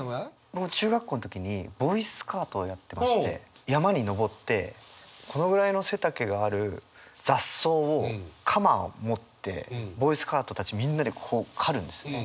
僕中学校の時にボーイスカウトをやってまして山に登ってこのぐらいの背丈がある雑草を鎌を持ってボーイスカウトたちみんなでこう刈るんですね。